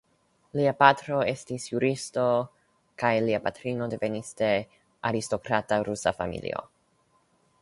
Lia patro estis juristo kaj lia patrino devenis de aristokrata rusa familio.